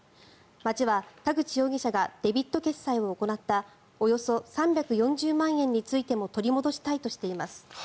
町は、田口容疑者がデビット決済を行ったおよそ３４０万円についても取り戻したいとしています。